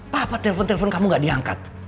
papa telepon telepon kamu gak diangkat